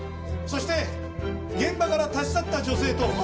そして現場から立ち去った女性と。